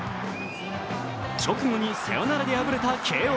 直後にサヨナラで敗れた慶応。